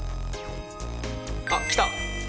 あっ来た。